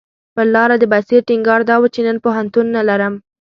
پر لاره د بصیر ټینګار دا و چې نن پوهنتون نه لرم.